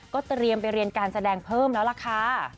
ก็เตรียมไปเรียนการแสดงเพิ่มแล้วล่ะค่ะ